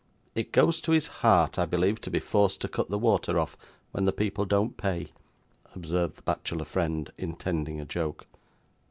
'It goes to his heart, I believe, to be forced to cut the water off, when the people don't pay,' observed the bachelor friend, intending a joke.